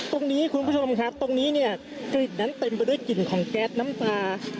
คุณผู้ชมครับตรงนี้เนี่ยกลิ่นนั้นเต็มไปด้วยกลิ่นของแก๊สน้ำตา